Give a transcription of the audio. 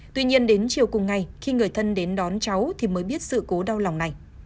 tuy nhiên đến chiều cùng ngày khi người thân đến đón cháu thì mới biết sự cố đau lòng này